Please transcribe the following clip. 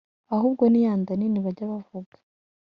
ahubwo ni ya nda nini bajya bavuga!